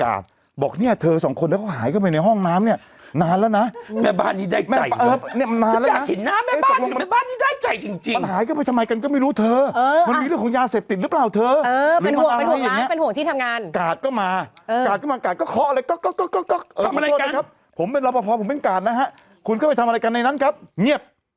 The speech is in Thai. มันเกิดอะไรขึ้นเพราะอะไร